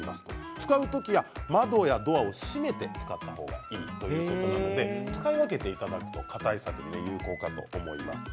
使う時は窓やドアを閉めて使った方がいいということなので使い分けていただくと蚊対策に有効かと思います。